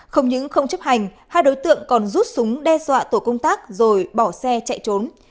không những không chấp hành hai đối tượng còn rút súng đe dọa tổ công tác rồi bỏ xe chạy trốn